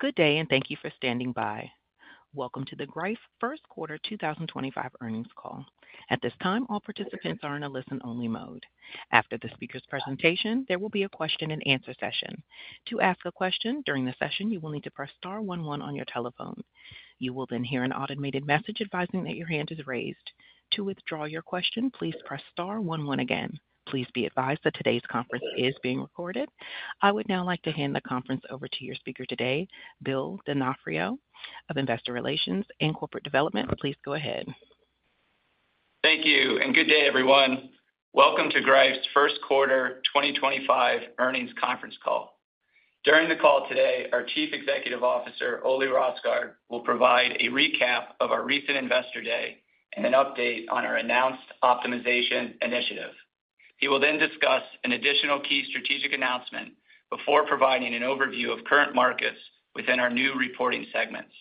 Good day, and thank you for standing by. Welcome to the Greif First Quarter 2025 Earnings Call. At this time, all participants are in a listen-only mode. After the speaker's presentation, there will be a question and answer session. To ask a question during the session, you will need to press star one one on your telephone. You will then hear an automated message advising that your hand is raised. To withdraw your question, please press star one one again. Please be advised that today's conference is being recorded. I would now like to hand the conference over to your speaker today, Bill D’Onofrio of Investor Relations and Corporate Development. Please go ahead. Thank you, and good day, everyone. Welcome to Greif's First Quarter 2025 Earnings Conference Call. During the call today, our Chief Executive Officer, Ole Rosgaard, will provide a recap of our recent Investor Day and an update on our announced optimization initiative. He will then discuss an additional key strategic announcement before providing an overview of current markets within our new reporting segments.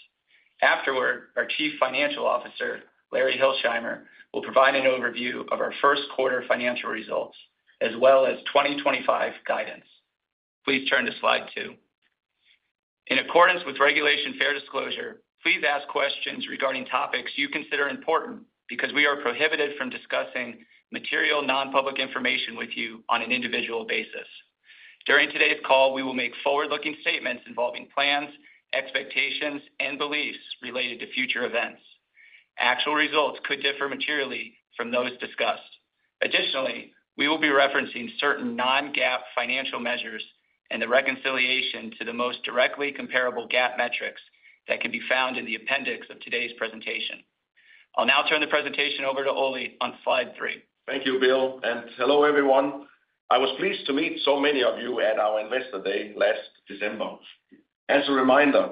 Afterward, our Chief Financial Officer, Larry Hilsheimer, will provide an overview of our first quarter financial results, as well as 2025 guidance. Please turn to slide two. In accordance with regulation fair disclosure, please ask questions regarding topics you consider important because we are prohibited from discussing material non-public information with you on an individual basis. During today's call, we will make forward-looking statements involving plans, expectations, and beliefs related to future events. Actual results could differ materially from those discussed. Additionally, we will be referencing certain non-GAAP financial measures and the reconciliation to the most directly comparable GAAP metrics that can be found in the appendix of today's presentation. I'll now turn the presentation over to Ole on slide three. Thank you, Bill, and hello, everyone. I was pleased to meet so many of you at our Investor Day last December. As a reminder,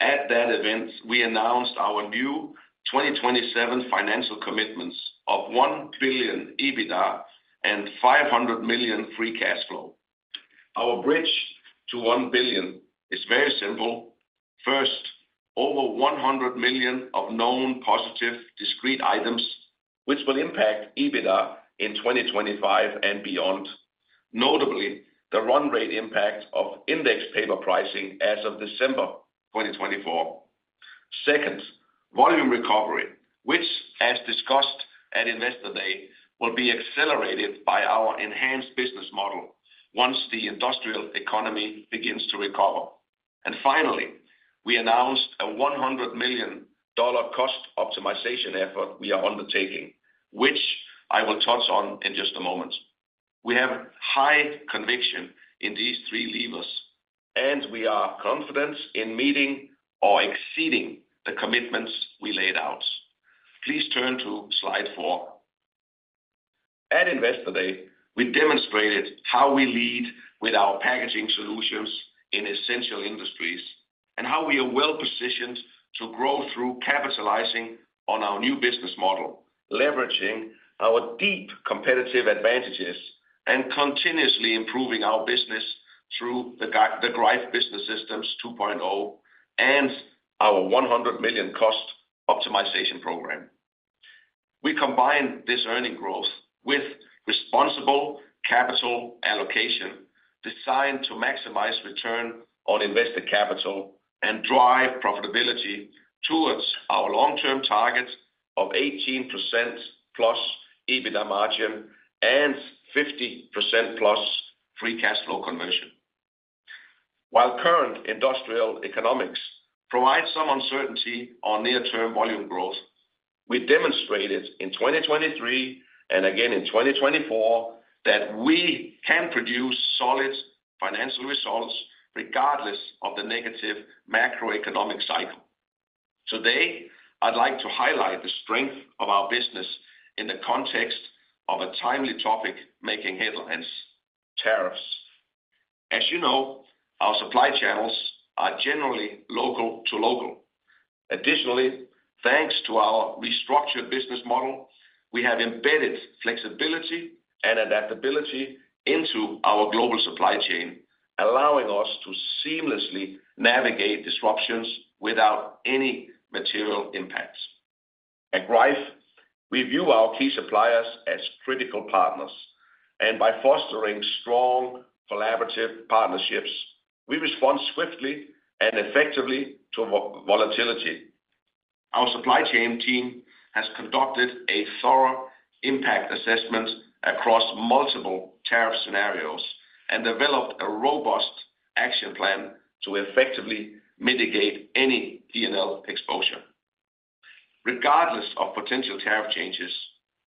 at that event, we announced our new 2027 financial commitments of $1 billion EBITDA and $500 million free cash flow. Our bridge to $1 billion is very simple. First, over $100 million of known positive discrete items, which will impact EBITDA in 2025 and beyond. Notably, the run rate impact of index paper pricing as of December 2024. Second, volume recovery, which, as discussed at Investor Day, will be accelerated by our enhanced business model once the industrial economy begins to recover. And finally, we announced a $100 million cost optimization effort we are undertaking, which I will touch on in just a moment. We have high conviction in these three levers, and we are confident in meeting or exceeding the commitments we laid out. Please turn to slide four. At Investor Day, we demonstrated how we lead with our packaging solutions in essential industries and how we are well positioned to grow through capitalizing on our new business model, leveraging our deep competitive advantages and continuously improving our business through the Greif Business Systems 2.0 and our 100 million cost optimization program. We combine this earnings growth with responsible capital allocation designed to maximize return on invested capital and drive profitability towards our long-term target of 18% plus EBITDA margin and 50% plus free cash flow conversion. While current industrial economics provide some uncertainty on near-term volume growth, we demonstrated in 2023 and again in 2024 that we can produce solid financial results regardless of the negative macroeconomic cycle. Today, I'd like to highlight the strength of our business in the context of a timely topic making headlines: tariffs. As you know, our supply channels are generally local to local. Additionally, thanks to our restructured business model, we have embedded flexibility and adaptability into our global supply chain, allowing us to seamlessly navigate disruptions without any material impacts. At Greif, we view our key suppliers as critical partners, and by fostering strong collaborative partnerships, we respond swiftly and effectively to volatility. Our supply chain team has conducted a thorough impact assessment across multiple tariff scenarios and developed a robust action plan to effectively mitigate any P&L exposure. Regardless of potential tariff changes,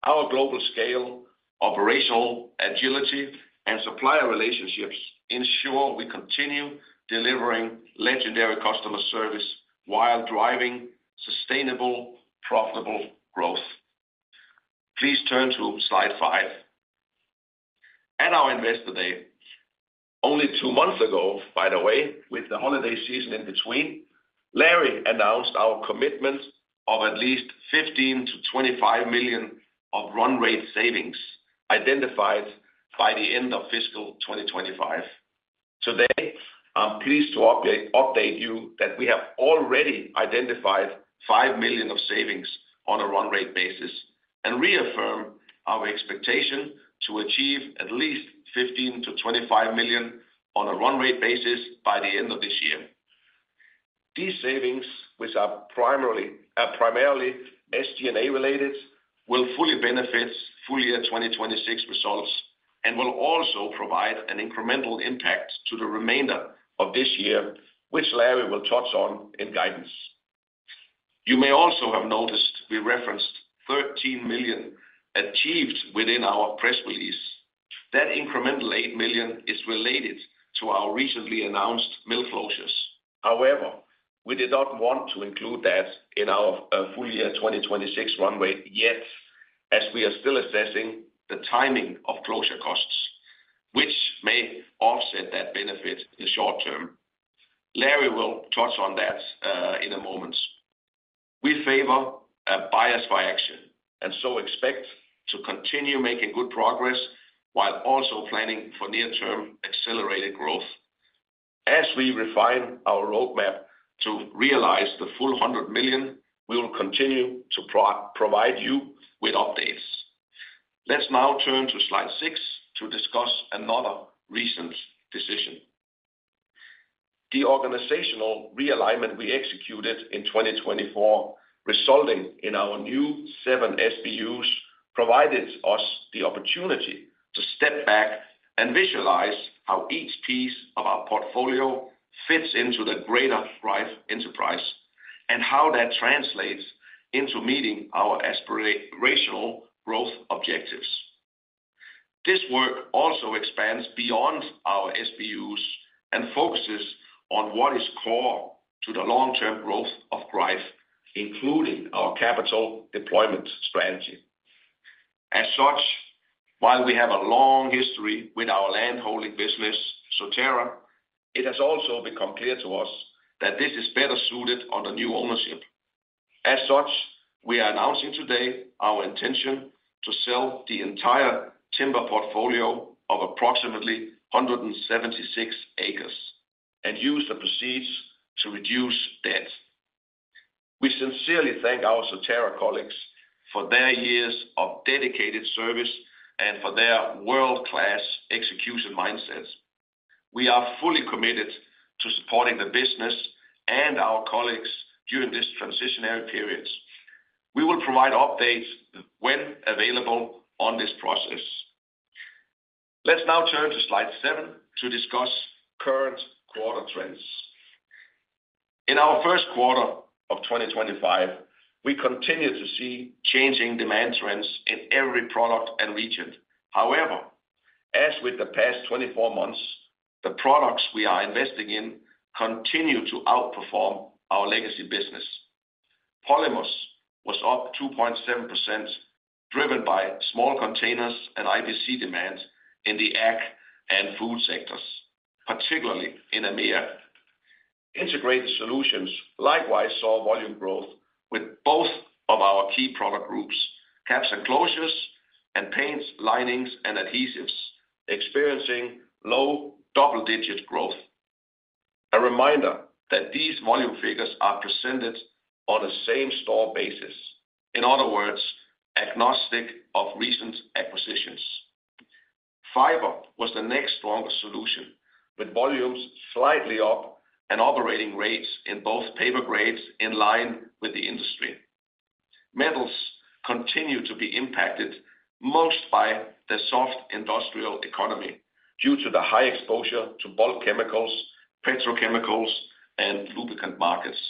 our global scale, operational agility, and supplier relationships ensure we continue delivering legendary customer service while driving sustainable, profitable growth. Please turn to slide five. At our Investor Day, only two months ago, by the way, with the holiday season in between, Larry announced our commitment of at least $15 million-$25 million of run rate savings identified by the end of fiscal 2025. Today, I'm pleased to update you that we have already identified $5 million of savings on a run rate basis and reaffirm our expectation to achieve at least $15 million-$25 million on a run rate basis by the end of this year. These savings, which are primarily SG&A related, will fully benefit full year 2026 results and will also provide an incremental impact to the remainder of this year, which Larry will touch on in guidance. You may also have noticed we referenced $13 million achieved within our press release. That incremental $8 million is related to our recently announced mill closures. However, we did not want to include that in our full year 2026 run rate yet, as we are still assessing the timing of closure costs, which may offset that benefit in the short term. Larry will touch on that in a moment. We favor a bias for action and so expect to continue making good progress while also planning for near-term accelerated growth. As we refine our roadmap to realize the full $100 million, we will continue to provide you with updates. Let's now turn to slide six to discuss another recent decision. The organizational realignment we executed in 2024, resulting in our new seven SBUs, provided us the opportunity to step back and visualize how each piece of our portfolio fits into the greater Greif enterprise and how that translates into meeting our aspirational growth objectives. This work also expands beyond our SBUs and focuses on what is core to the long-term growth of Greif, including our capital deployment strategy. As such, while we have a long history with our landholding business, Soterra, it has also become clear to us that this is better suited under new ownership. As such, we are announcing today our intention to sell the entire timber portfolio of approximately 176 acres and use the proceeds to reduce debt. We sincerely thank our Soterra colleagues for their years of dedicated service and for their world-class execution mindset. We are fully committed to supporting the business and our colleagues during this transitional period. We will provide updates when available on this process. Let's now turn to slide seven to discuss current quarter trends. In our first quarter of 2025, we continue to see changing demand trends in every product and region. However, as with the past 24 months, the products we are investing in continue to outperform our legacy business. Polymers was up 2.7%, driven by small containers and IBC demand in the ag and food sectors, particularly in EMEA. Integrated Solutions likewise saw volume growth with both of our key product groups, caps and closures, and paints, linings, and adhesives, experiencing low double-digit growth. A reminder that these volume figures are presented on a same-store basis, in other words, agnostic of recent acquisitions. Fiber was the next stronger solution, with volumes slightly up and operating rates in both paper grades in line with the industry. Metals continue to be impacted most by the soft industrial economy due to the high exposure to bulk chemicals, petrochemicals, and lubricant markets.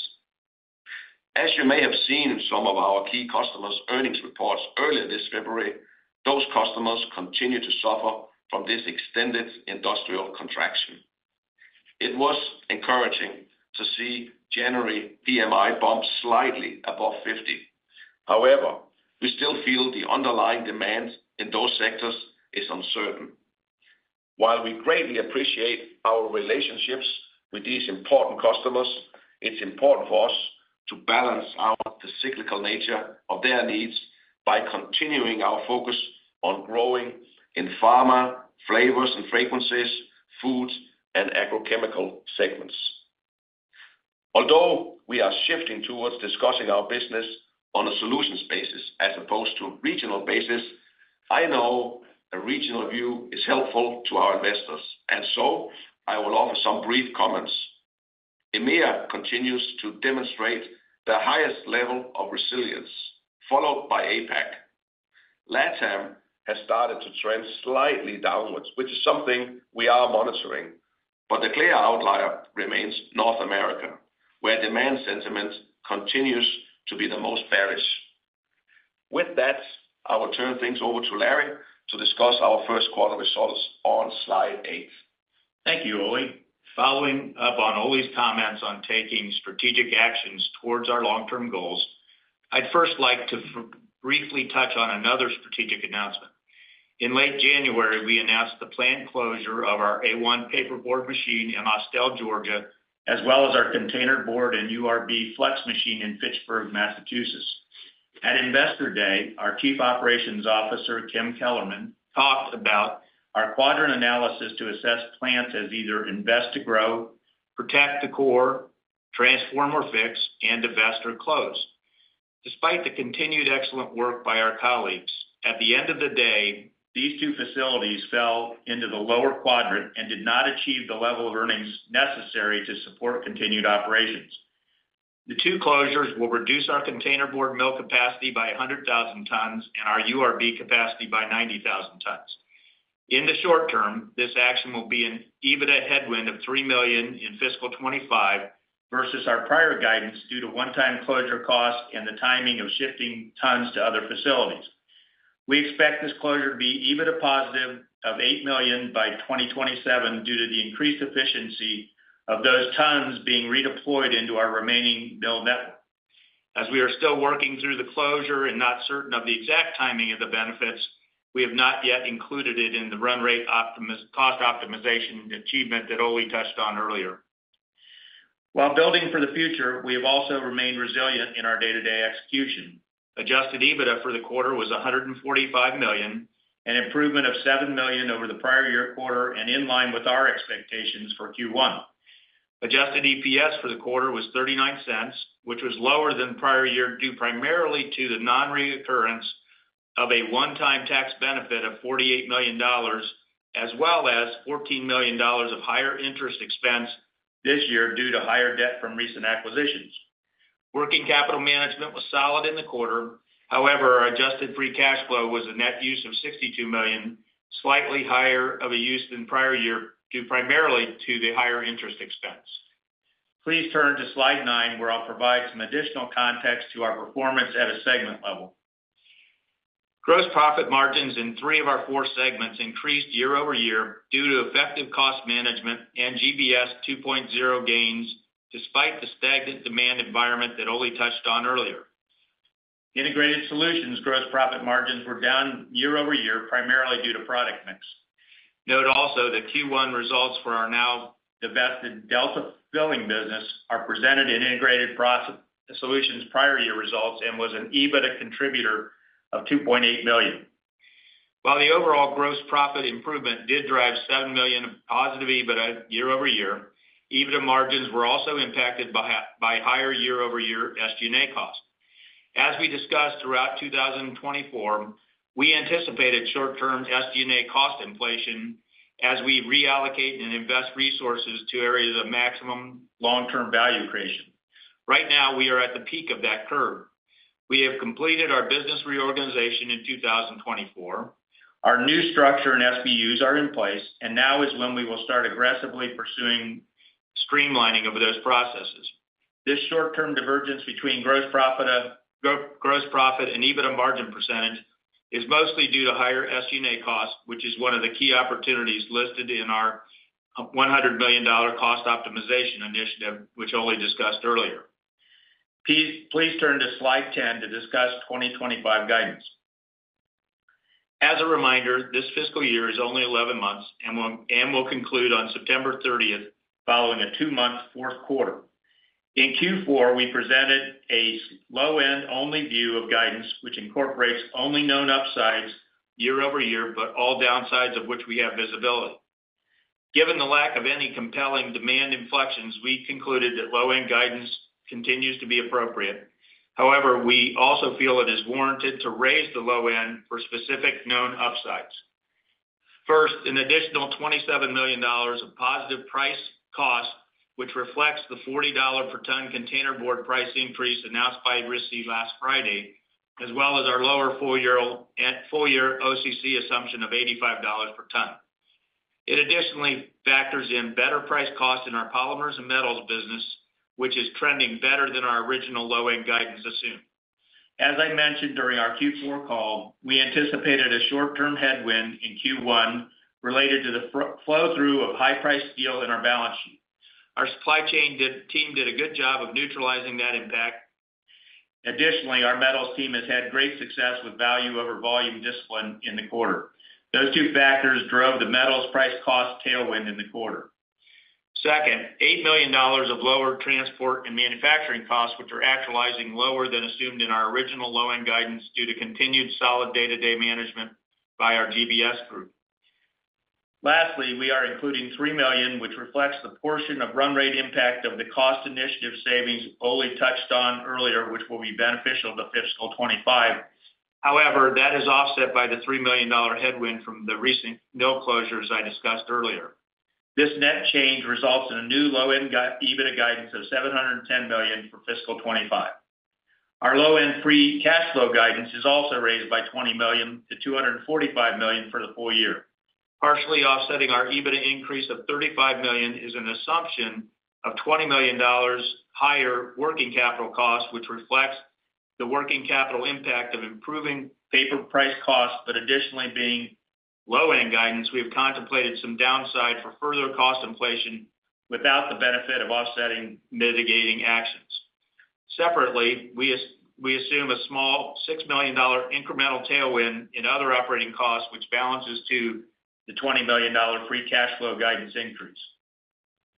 As you may have seen in some of our key customers' earnings reports earlier this February, those customers continue to suffer from this extended industrial contraction. It was encouraging to see January PMI bump slightly above 50. However, we still feel the underlying demand in those sectors is uncertain. While we greatly appreciate our relationships with these important customers, it's important for us to balance out the cyclical nature of their needs by continuing our focus on growing in pharma, flavors and fragrances, foods, and agrochemical segments. Although we are shifting towards discussing our business on a solutions basis as opposed to regional basis, I know a regional view is helpful to our investors, and so I will offer some brief comments. EMEA continues to demonstrate the highest level of resilience, followed by APAC. LATAM has started to trend slightly downward, which is something we are monitoring, but the clear outlier remains North America, where demand sentiment continues to be the most bearish. With that, I will turn things over to Larry to discuss our first quarter results on slide eight. Thank you, Ole. Following up on Ole's comments on taking strategic actions towards our long-term goals, I'd first like to briefly touch on another strategic announcement. In late January, we announced the planned closure of our A1 paperboard machine in Austell, Georgia, as well as our container board and URB flex machine in Fitchburg, Massachusetts. At Investor Day, our Chief Operating Officer, Kim Kellermann, talked about our quadrant analysis to assess plants as either invest to grow, protect the core, transform or fix, and divest or close. Despite the continued excellent work by our colleagues, at the end of the day, these two facilities fell into the lower quadrant and did not achieve the level of earnings necessary to support continued operations. The two closures will reduce our container board mill capacity by 100,000 tons and our URB capacity by 90,000 tons. In the short term, this action will be an EBITDA headwind of $3 million in fiscal 2025 versus our prior guidance due to one-time closure costs and the timing of shifting tons to other facilities. We expect this closure to be EBITDA positive of $8 million by 2027 due to the increased efficiency of those tons being redeployed into our remaining mill network. As we are still working through the closure and not certain of the exact timing of the benefits, we have not yet included it in the run rate cost optimization achievement that Ole touched on earlier. While building for the future, we have also remained resilient in our day-to-day execution. Adjusted EBITDA for the quarter was $145 million, an improvement of $7 million over the prior year quarter and in line with our expectations for Q1. Adjusted EPS for the quarter was $0.39, which was lower than prior year due primarily to the non-recurrence of a one-time tax benefit of $48 million, as well as $14 million of higher interest expense this year due to higher debt from recent acquisitions. Working capital management was solid in the quarter. However, our adjusted free cash flow was a net use of $62 million, slightly higher use than prior year due primarily to the higher interest expense. Please turn to slide nine, where I'll provide some additional context to our performance at a segment level. Gross profit margins in three of our four segments increased year over year due to effective cost management and GBS 2.0 gains despite the stagnant demand environment that Ole touched on earlier. Integrated Solutions' gross profit margins were down year over year primarily due to product mix. Note also that Q1 results for our now divested Delta filling business are presented in Integrated Solutions' prior year results and was an EBITDA contributor of $2.8 million. While the overall gross profit improvement did drive $7 million of positive EBITDA year over year, EBITDA margins were also impacted by higher year-over-year SG&A costs. As we discussed throughout 2024, we anticipated short-term SG&A cost inflation as we reallocate and invest resources to areas of maximum long-term value creation. Right now, we are at the peak of that curve. We have completed our business reorganization in 2024. Our new structure and SBUs are in place, and now is when we will start aggressively pursuing streamlining of those processes. This short-term divergence between gross profit and EBITDA margin percentage is mostly due to higher SG&A costs, which is one of the key opportunities listed in our $100 million cost optimization initiative, which Ole discussed earlier. Please turn to slide 10 to discuss 2025 guidance. As a reminder, this fiscal year is only 11 months and will conclude on September 30th following a two-month fourth quarter. In Q4, we presented a low-end-only view of guidance, which incorporates only known upsides year over year, but all downsides of which we have visibility. Given the lack of any compelling demand inflections, we concluded that low-end guidance continues to be appropriate. However, we also feel it is warranted to raise the low end for specific known upsides. First, an additional $27 million of positive price cost, which reflects the $40 per ton containerboard price increase announced by RISI last Friday, as well as our lower full-year OCC assumption of $85 per ton. It additionally factors in better price costs in our polymers and metals business, which is trending better than our original low-end guidance assumed. As I mentioned during our Q4 call, we anticipated a short-term headwind in Q1 related to the flow-through of high-priced steel in our balance sheet. Our supply chain team did a good job of neutralizing that impact. Additionally, our metals team has had great success with value over volume discipline in the quarter. Those two factors drove the metals price cost tailwind in the quarter. Second, $8 million of lower transport and manufacturing costs, which are actualizing lower than assumed in our original low-end guidance due to continued solid day-to-day management by our GBS group. Lastly, we are including $3 million, which reflects the portion of run rate impact of the cost initiative savings Ole touched on earlier, which will be beneficial to fiscal 2025. However, that is offset by the $3 million headwind from the recent mill closures I discussed earlier. This net change results in a new low-end EBITDA guidance of $710 million for fiscal 2025. Our low-end free cash flow guidance is also raised by $20 million-$245 million for the full year. Partially offsetting our EBITDA increase of $35 million is an assumption of $20 million higher working capital costs, which reflects the working capital impact of improving paper price costs, but additionally being low-end guidance, we have contemplated some downside for further cost inflation without the benefit of offsetting mitigating actions. Separately, we assume a small $6 million incremental tailwind in other operating costs, which balances to the $20 million free cash flow guidance increase.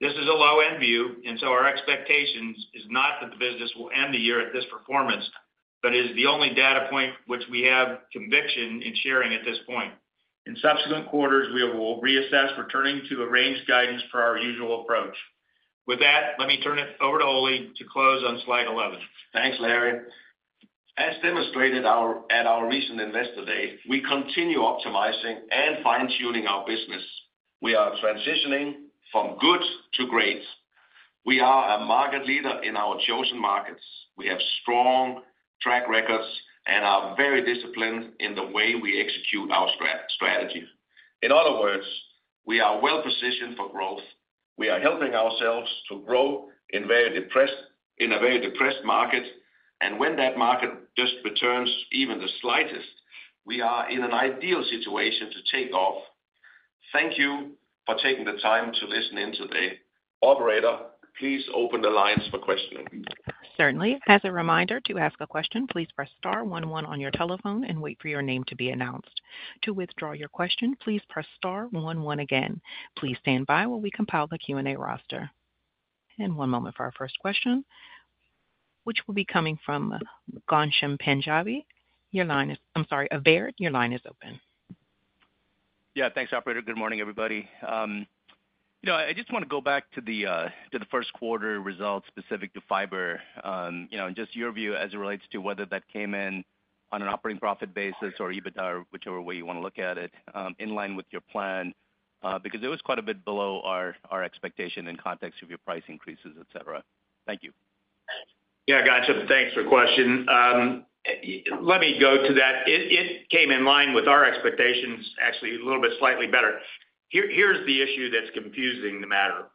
This is a low-end view, and so our expectation is not that the business will end the year at this performance, but is the only data point which we have conviction in sharing at this point. In subsequent quarters, we will reassess returning to arranged guidance for our usual approach. With that, let me turn it over to Ole to close on slide 11. Thanks, Larry. As demonstrated at our recent Investor Day, we continue optimizing and fine-tuning our business. We are transitioning from good to great. We are a market leader in our chosen markets. We have strong track records and are very disciplined in the way we execute our strategy. In other words, we are well-positioned for growth. We are helping ourselves to grow in a very depressed market, and when that market just returns even the slightest, we are in an ideal situation to take off. Thank you for taking the time to listen in today. Operator, please open the lines for questioning. Certainly. As a reminder, to ask a question, please press star one one on your telephone and wait for your name to be announced. To withdraw your question, please press star one one again. Please stand by while we compile the Q&A roster, and one moment for our first question, which will be coming from Ghansham Panjabi. Your line is. I'm sorry, Baird, your line is open. Yeah, thanks, Operator. Good morning, everybody. You know, I just want to go back to the first quarter results specific to fiber, you know, and just your view as it relates to whether that came in on an operating profit basis or EBITDA, or whichever way you want to look at it, in line with your plan, because it was quite a bit below our expectation in context of your price increases, etc.? Thank you. Yeah, gotcha. Thanks for the question. Let me go to that. It came in line with our expectations, actually a little bit slightly better. Here's the issue that's confusing the matter.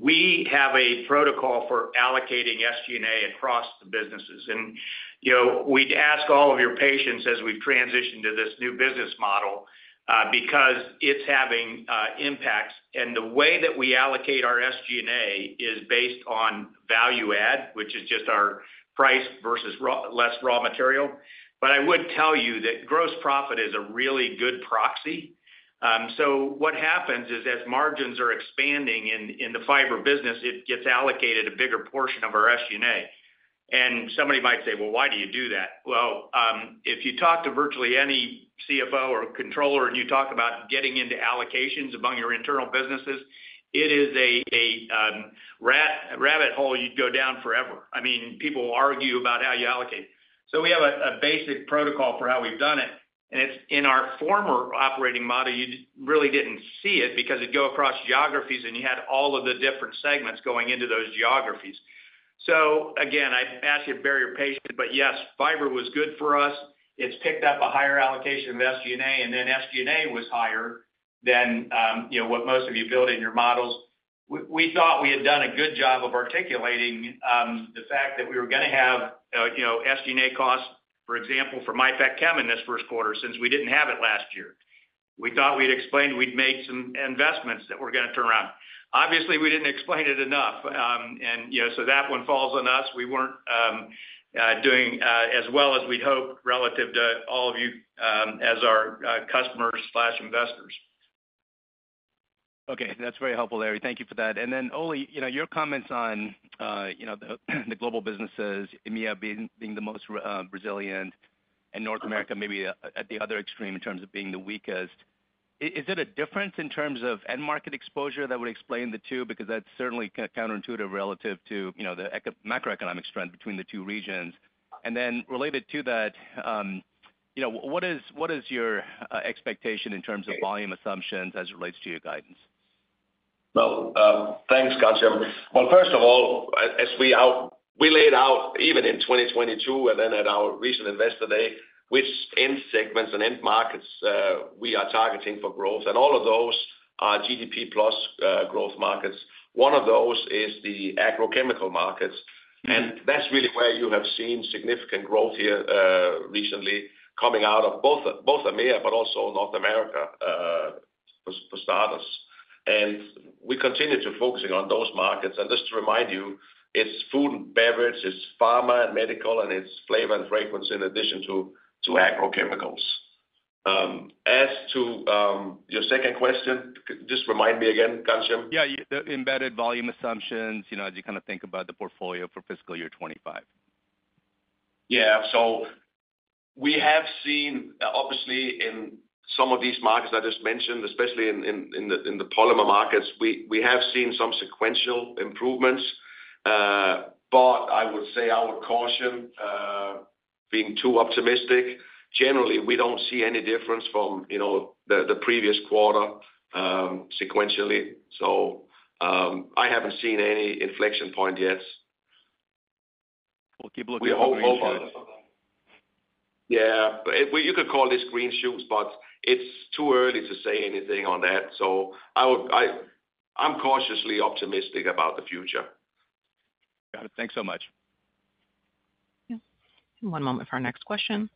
We have a protocol for allocating SG&A across the businesses. And, you know, we'd ask all of your patience as we've transitioned to this new business model because it's having impacts. And the way that we allocate our SG&A is based on value add, which is just our price versus less raw material. But I would tell you that gross profit is a really good proxy. So what happens is, as margins are expanding in the fiber business, it gets allocated a bigger portion of our SG&A. Somebody might say, "Well, why do you do that?" Well, if you talk to virtually any CFO or controller and you talk about getting into allocations among your internal businesses, it is a rabbit hole you'd go down forever. I mean, people argue about how you allocate. So we have a basic protocol for how we've done it. And in our former operating model, you really didn't see it because it'd go across geographies and you had all of the different segments going into those geographies. So again, I ask you to bear your patience, but yes, fiber was good for us. It's picked up a higher allocation of SG&A, and then SG&A was higher than what most of you built in your models. We thought we had done a good job of articulating the fact that we were going to have SG&A costs, for example, for IPACKCHEM in this first quarter since we didn't have it last year. We thought we'd explained we'd made some investments that were going to turn around. Obviously, we didn't explain it enough. And so that one falls on us. We weren't doing as well as we'd hoped relative to all of you as our customers/investors. Okay. That's very helpful, Larry. Thank you for that. And then, Ole, your comments on the global businesses, EMEA being the most resilient and North America maybe at the other extreme in terms of being the weakest, is it a difference in terms of end market exposure that would explain the two? Because that's certainly counterintuitive relative to the macroeconomic strength between the two regions. And then related to that, what is your expectation in terms of volume assumptions as it relates to your guidance? Thanks, Ghansham. First of all, as we laid out even in 2022 and then at our recent Investor Day, which end segments and end markets we are targeting for growth, and all of those are GDP plus growth markets. One of those is the agrochemical markets. And that's really where you have seen significant growth here recently coming out of both EMEA, but also North America for starters. And we continue to focus on those markets. And just to remind you, it's food and beverage, it's pharma and medical, and it's flavor and fragrance in addition to agrochemicals. As to your second question, just remind me again, Ghansham. Yeah, embedded volume assumptions, as you kind of think about the portfolio for fiscal year 2025. Yeah. So we have seen, obviously, in some of these markets I just mentioned, especially in the polymer markets, we have seen some sequential improvements. But I would say our caution, being too optimistic, generally, we don't see any difference from the previous quarter sequentially. So I haven't seen any inflection point yet. We'll keep a look at the forecast. Yeah. You could call this green shoots, but it's too early to say anything on that. So I'm cautiously optimistic about the future. Got it. Thanks so much. One moment for our next question.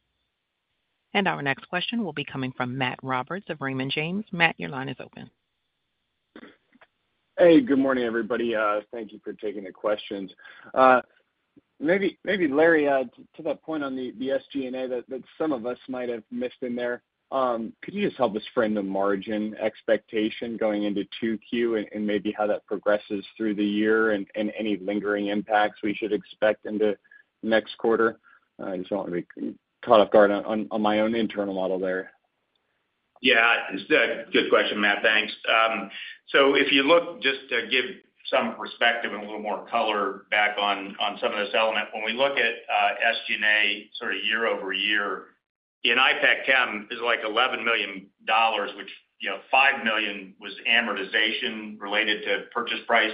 Our next question will be coming from Matt Roberts of Raymond James. Matt, your line is open. Hey, good morning, everybody. Thank you for taking the questions. Maybe, Larry, to that point on the SG&A that some of us might have missed in there, could you just help us frame the margin expectation going into Q2 and maybe how that progresses through the year and any lingering impacts we should expect into next quarter? I just want to be caught off guard on my own internal model there. Yeah. Good question, Matt. Thanks. So if you look, just to give some perspective and a little more color back on some of this element, when we look at SG&A sort of year-over-year, in IPACKCHEM is like $11 million, which $5 million was amortization related to purchase price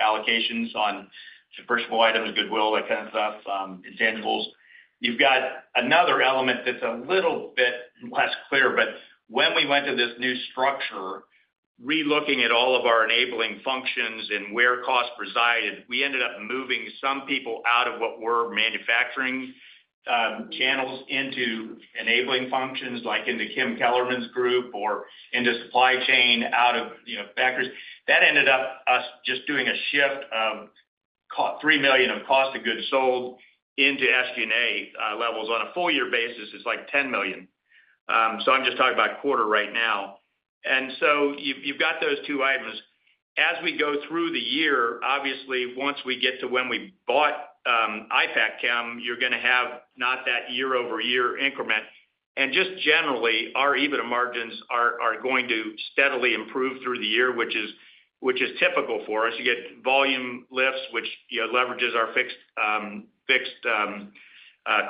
allocations on commercial items, Goodwill, that kind of stuff, intangibles. You've got another element that's a little bit less clear, but when we went to this new structure, relooking at all of our enabling functions and where costs resided, we ended up moving some people out of what were manufacturing channels into enabling functions, like into Kim Kellerman's group or into supply chain out of factories. That ended up us just doing a shift of $3 million of cost of goods sold into SG&A levels on a full-year basis is like $10 million. So I'm just talking about quarter right now. And so you've got those two items. As we go through the year, obviously, once we get to when we bought IPACKCHEM, you're going to have not that year-over-year increment. And just generally, our EBITDA margins are going to steadily improve through the year, which is typical for us. You get volume lifts, which leverages our fixed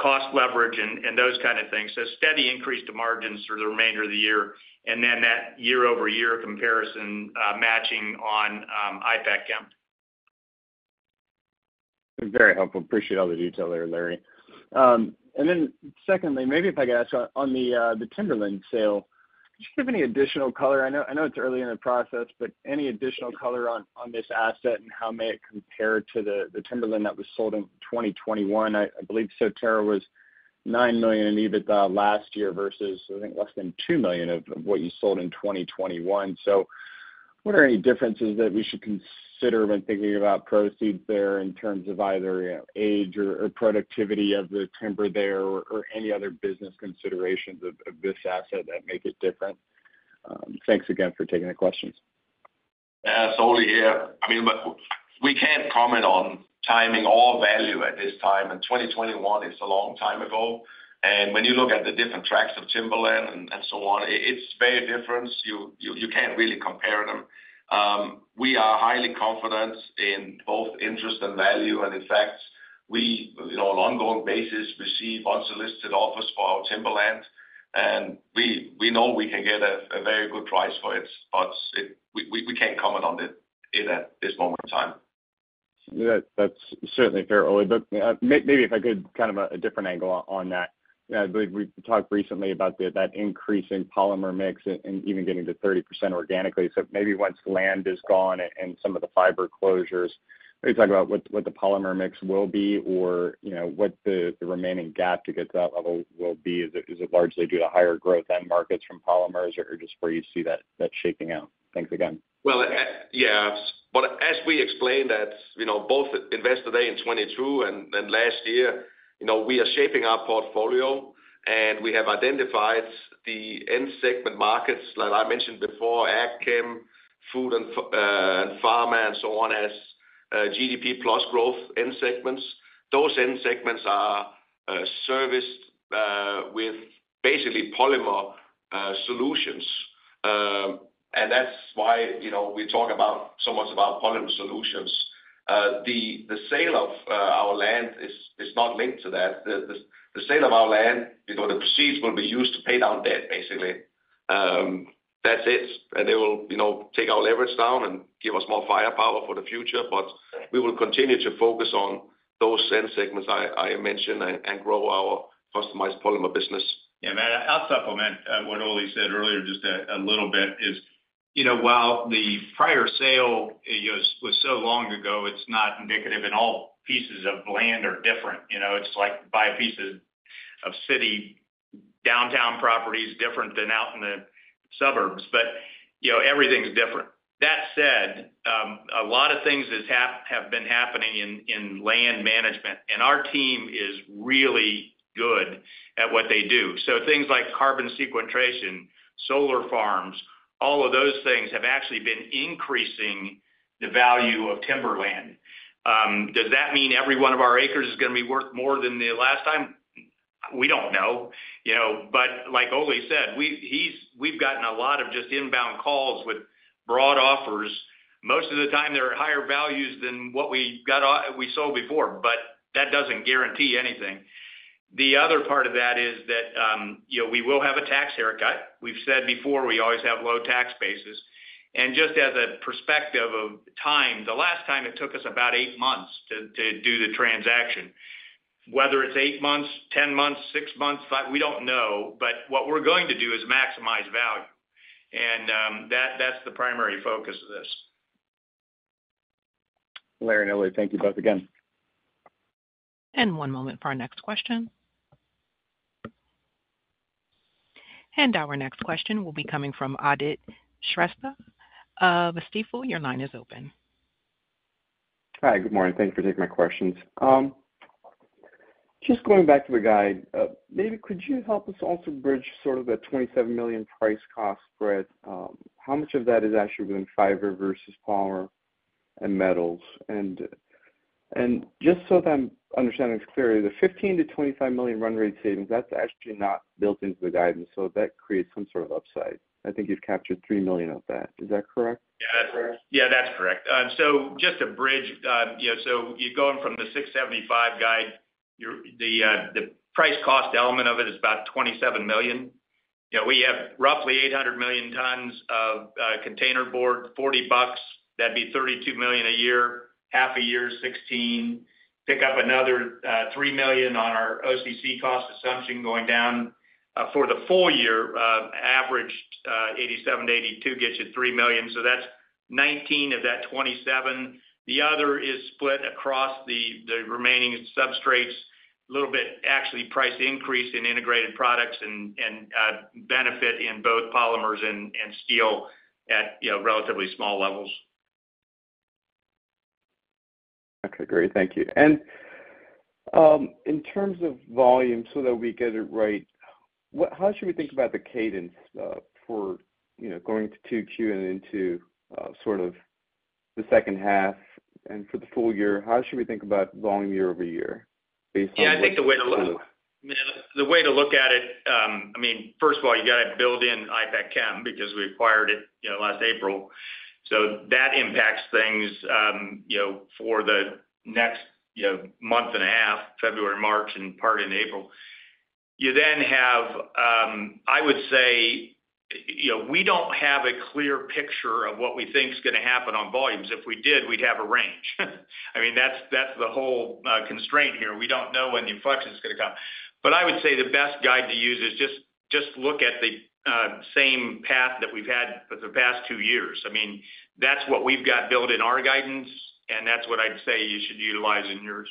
cost leverage and those kinds of things. So steady increase to margins through the remainder of the year. And then that year-over-year comparison matching on IPACKCHEM. Very helpful. Appreciate all the detail there, Larry. And then secondly, maybe if I could ask on the timberland sale, could you give any additional color? I know it's early in the process, but any additional color on this asset and how may it compare to the timberland that was sold in 2021? I believe Soterra was $9 million in EBITDA last year versus, I think, less than $2 million of what you sold in 2021. So what are any differences that we should consider when thinking about proceeds there in terms of either age or productivity of the timber there or any other business considerations of this asset that make it different? Thanks again for taking the questions. Yeah, it's Ole here. I mean, we can't comment on timing or value at this time. And 2021 is a long time ago. And when you look at the different tracts of timberlands and so on, it's very different. You can't really compare them. We are highly confident in both interest and value. And in fact, we on an ongoing basis receive unsolicited offers for our timberlands. And we know we can get a very good price for it, but we can't comment on it at this moment in time. That's certainly fair, Ole. But maybe if I could kind of a different angle on that. I believe we talked recently about that increasing polymer mix and even getting to 30% organically. So maybe once the land is gone and some of the fiber closures, maybe talk about what the polymer mix will be or what the remaining gap to get to that level will be. Is it largely due to higher growth end markets from polymers or just where you see that shaking out? Thanks again. Yeah. But as we explain that, both Investor Day in 2022 and last year, we are shaping our portfolio. We have identified the end segment markets, like I mentioned before, ag, chem, food, and pharma, and so on as GDP plus growth end segments. Those end segments are serviced with basically polymer solutions. That's why we talk so much about polymer solutions. The sale of our land is not linked to that. The sale of our land, the proceeds will be used to pay down debt, basically. That's it. They will take our leverage down and give us more firepower for the future. We will continue to focus on those end segments I mentioned and grow our customized polymer business. Yeah. I'll supplement what Ole said earlier just a little bit, you know, while the prior sale was so long ago, it's not indicative and all pieces of land are different. You know, it's like buy a piece of city downtown properties different than out in the suburbs, but everything's different. That said, a lot of things have been happening in land management, and our team is really good at what they do, so things like carbon sequestration, solar farms, all of those things have actually been increasing the value of timberland. Does that mean every one of our acres is going to be worth more than the last time? We don't know, but like Ole said, we've gotten a lot of just inbound calls with broad offers. Most of the time, they're at higher values than what we sold before, but that doesn't guarantee anything. The other part of that is that we will have a tax haircut. We've said before we always have low tax bases. And just as a perspective of time, the last time it took us about eight months to do the transaction. Whether it's eight months, ten months, six months, we don't know. But what we're going to do is maximize value. And that's the primary focus of this. Larry and Ole, thank you both again. One moment for our next question. Our next question will be coming from Aadit Shrestha, Stifel, your line is open. Hi, good morning. Thank you for taking my questions. Just going back to the guide, maybe could you help us also bridge sort of that $27 million price cost spread? How much of that is actually within fiber versus polymer and metals? And just so that I'm understanding this clearly, the $15 million-$25 million run rate savings, that's actually not built into the guidance. So that creates some sort of upside. I think you've captured $3 million of that. Is that correct? Yeah, that's correct. So just to bridge, so you're going from the $675 guide, the price cost element of it is about $27 million. We have roughly 800 million tons of containerboard, $40 bucks. That'd be 32 million a year, half a year, 16. Pick up another 3 million on our OCC cost assumption going down. For the full year, averaged 87, 82 gets you 3 million. So that's 19 of that 27. The other is split across the remaining substrates, a little bit actually price increase in integrated products and benefit in both polymers and steel at relatively small levels. Okay, great. Thank you. And in terms of volume, so that we get it right, how should we think about the cadence for going to Q2 and into sort of the second half and for the full year? How should we think about volume year over year based on? Yeah, I think the way to look at it, I mean, first of all, you got to build in IPACKCHEM because we acquired it last April. So that impacts things for the next month and a half, February, March, and part in April. You then have, I would say, we don't have a clear picture of what we think is going to happen on volumes. If we did, we'd have a range. I mean, that's the whole constraint here. We don't know when the inflection is going to come. But I would say the best guide to use is just look at the same path that we've had for the past two years. I mean, that's what we've got built in our guidance. And that's what I'd say you should utilize in yours.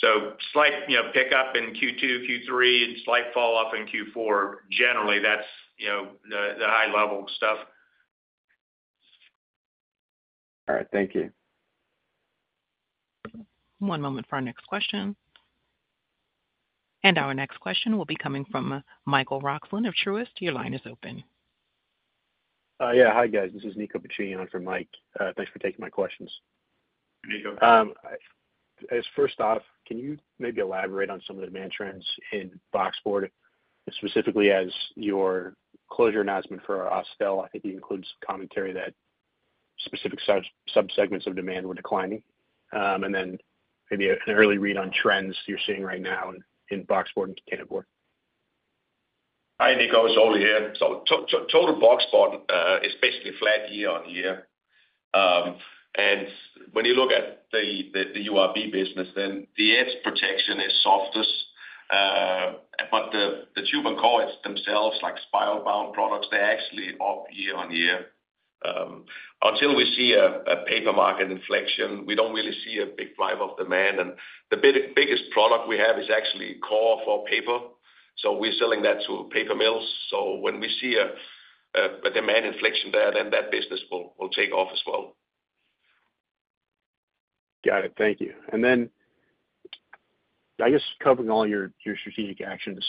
So slight pickup in Q2, Q3, and slight fall off in Q4, generally, that's the high-level stuff. All right, thank you. One moment for our next question. Our next question will be coming from Michael Roxland of Truist. Your line is open. Yeah, hi guys. This is Nico Piccini from Mike. Thanks for taking my questions. Nico. First off, can you maybe elaborate on some of the demand trends in boxboard? Specifically, as your closure announcement for Austell, I think you included some commentary that specific subsegments of demand were declining. And then maybe an early read on trends you're seeing right now in boxboard and containerboard. Hi, Nicco. It's Ole here. So total boxboard is basically flat year on year. And when you look at the URB business, then the edge protection is softest. But the tube and cores themselves, like spiral-bound products, they're actually up year on year. Until we see a paper market inflection, we don't really see a big drive of demand. And the biggest product we have is actually core for paper. So we're selling that to paper mills. So when we see a demand inflection there, then that business will take off as well. Got it. Thank you. And then I guess covering all your strategic actions.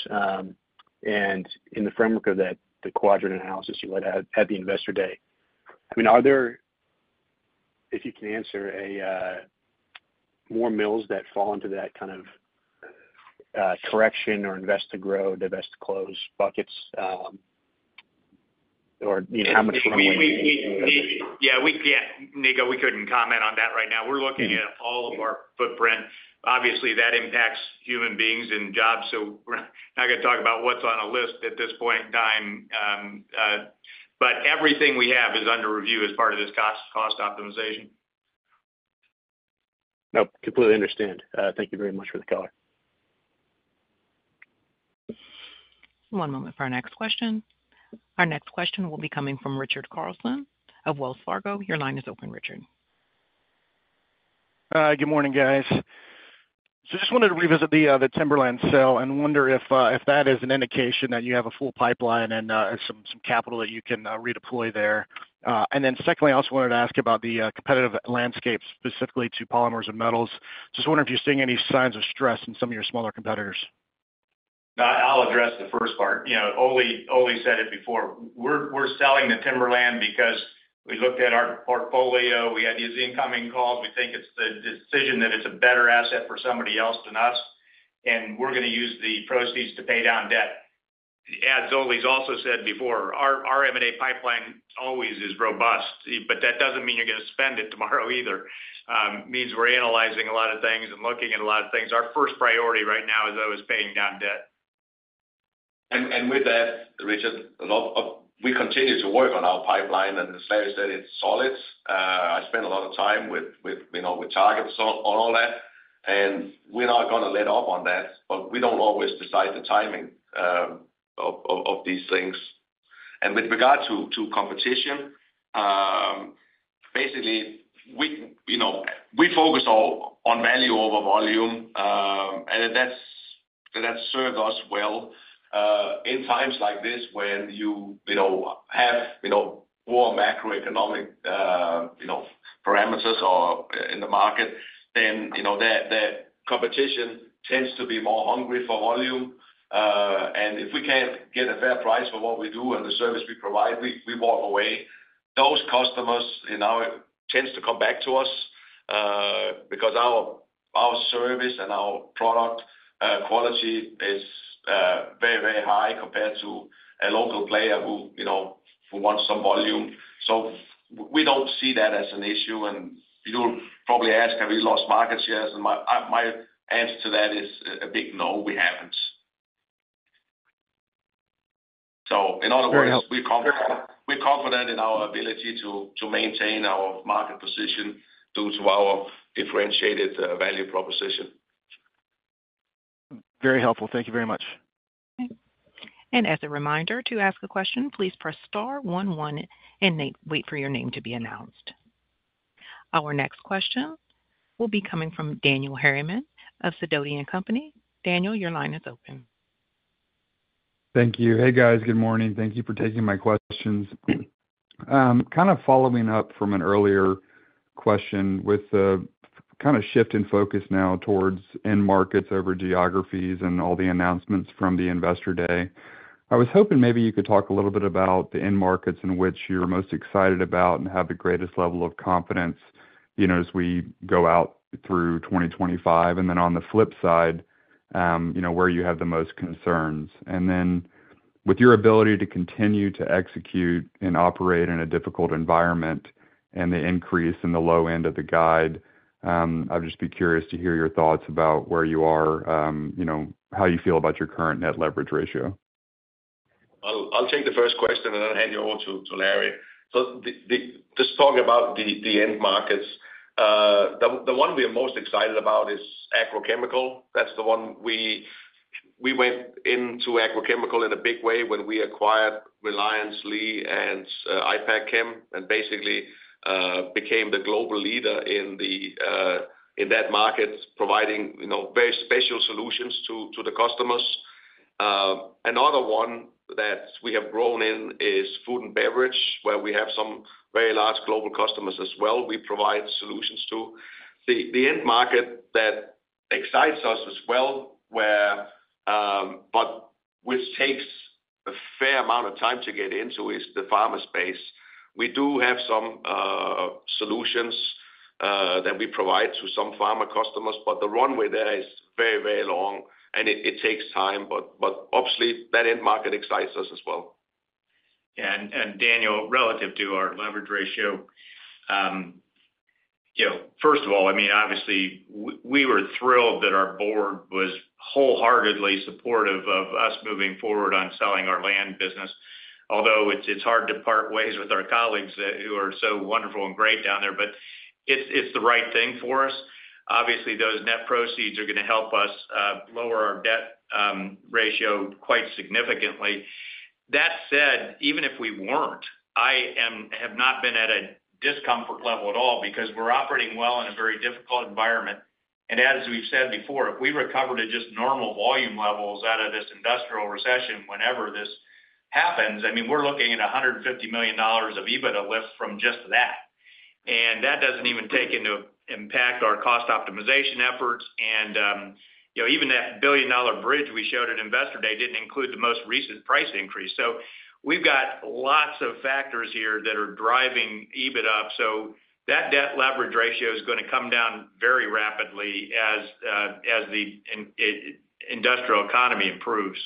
And in the framework of that, the quadrant analysis you led at the Investor Day, I mean, are there, if you can answer, more mills that fall into that kind of correction or invest to grow, divest to close buckets? Or how much room do you have? Yeah, Nicco, we couldn't comment on that right now. We're looking at all of our footprint. Obviously, that impacts human beings and jobs. So we're not going to talk about what's on a list at this point in time. But everything we have is under review as part of this cost optimization. Nope. Completely understand. Thank you very much for the call. One moment for our next question. Our next question will be coming from Richard Carlson of Wells Fargo. Your line is open, Richard. Good morning, guys. So just wanted to revisit the timberlands sale and wonder if that is an indication that you have a full pipeline and some capital that you can redeploy there. And then secondly, I also wanted to ask about the competitive landscape specifically to polymers and metals. Just wondering if you're seeing any signs of stress in some of your smaller competitors. I'll address the first part. Ole said it before. We're selling the timberlands because we looked at our portfolio. We had to use incoming calls. We think it's the decision that it's a better asset for somebody else than us. And we're going to use the proceeds to pay down debt. As Ole's also said before, our M&A pipeline always is robust. But that doesn't mean you're going to spend it tomorrow either. It means we're analyzing a lot of things and looking at a lot of things. Our first priority right now is always paying down debt. And with that, Richard, we continue to work on our pipeline. And as Larry said, it's solid. I spent a lot of time with targets on all that. And we're not going to let up on that. But we don't always decide the timing of these things. With regard to competition, basically, we focus on value over volume. That's served us well. In times like this, when you have poor macroeconomic parameters in the market, then the competition tends to be more hungry for volume. If we can't get a fair price for what we do and the service we provide, we walk away. Those customers tend to come back to us because our service and our product quality is very, very high compared to a local player who wants some volume. We don't see that as an issue. You'll probably ask, have we lost market shares? My answer to that is a big no, we haven't. In other words, we're confident in our ability to maintain our market position due to our differentiated value proposition. Very helpful. Thank you very much. As a reminder, to ask a question, please press star one one and wait for your name to be announced. Our next question will be coming from Daniel Harriman of Sidoti & Company. Daniel, your line is open. Thank you. Hey guys, good morning. Thank you for taking my questions. Kind of following up from an earlier question with the kind of shift in focus now towards end markets over geographies and all the announcements from the Investor Day, I was hoping maybe you could talk a little bit about the end markets in which you're most excited about and have the greatest level of confidence as we go out through 2025. And then on the flip side, where you have the most concerns. And then with your ability to continue to execute and operate in a difficult environment and the increase in the low end of the guide, I'd just be curious to hear your thoughts about where you are, how you feel about your current net leverage ratio. I'll take the first question and then hand you over to Larry, so just talking about the end markets, the one we are most excited about is agrochemical. That's the one we went into agrochemical in a big way when we acquired Reliance, Lee and IPACKCHEM and basically became the global leader in that market, providing very special solutions to the customers. Another one that we have grown in is food and beverage, where we have some very large global customers as well. We provide solutions to. The end market that excites us as well, but which takes a fair amount of time to get into is the pharma space. We do have some solutions that we provide to some pharma customers. But the runway there is very, very long. And it takes time. But obviously, that end market excites us as well. Yeah. Daniel, relative to our leverage ratio, first of all, I mean, obviously, we were thrilled that our board was wholeheartedly supportive of us moving forward on selling our land business. Although it's hard to part ways with our colleagues who are so wonderful and great down there, but it's the right thing for us. Obviously, those net proceeds are going to help us lower our debt ratio quite significantly. That said, even if we weren't, I have not been at a discomfort level at all because we're operating well in a very difficult environment. As we've said before, if we recover to just normal volume levels out of this industrial recession, whenever this happens, I mean, we're looking at $150 million of EBITDA lift from just that. That doesn't even take into impact our cost optimization efforts. Even that billion-dollar bridge we showed at Investor Day didn't include the most recent price increase. We've got lots of factors here that are driving EBITDA. That debt leverage ratio is going to come down very rapidly as the industrial economy improves.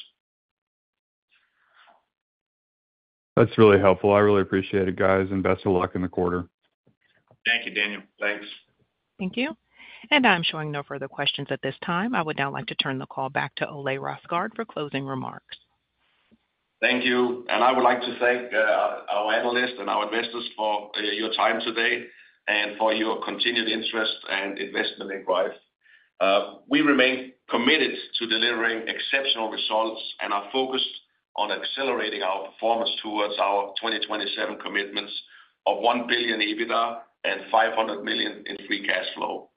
That's really helpful. I really appreciate it, guys, and best of luck in the quarter. Thank you, Daniel. Thanks. Thank you, and I'm showing no further questions at this time. I would now like to turn the call back to Ole Rosgaard for closing remarks. Thank you, and I would like to thank our analysts and our investors for your time today and for your continued interest and investment in growth. We remain committed to delivering exceptional results and are focused on accelerating our performance towards our 2027 commitments of $1 billion EBITDA and $500 million in free cash flow.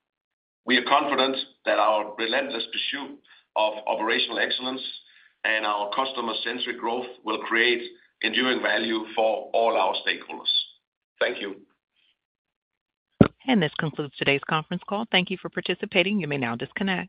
We are confident that our relentless pursuit of operational excellence and our customer-centric growth will create enduring value for all our stakeholders. Thank you. This concludes today's conference call. Thank you for participating. You may now disconnect.